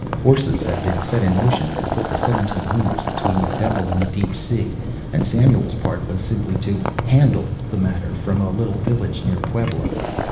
Forces had been set in motion that put the seventeen owners between the devil and the deep sea, and Samuel's part was simply to "handle" the matter from a little village near Pueblo.